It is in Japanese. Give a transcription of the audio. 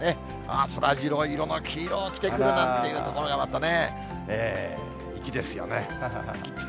そらジロー色の黄色を着てくるなんていうところがまたね、粋ですよね。